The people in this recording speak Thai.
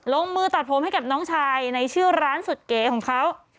มือตัดผมให้กับน้องชายในชื่อร้านสุดเก๋ของเขา